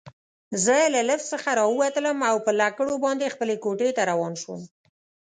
زه له لفټ څخه راووتلم او پر لکړو باندې خپلې کوټې ته روان شوم.